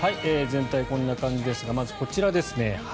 全体こんな感じですがまず、こちらですね。